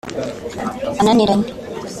ananiranye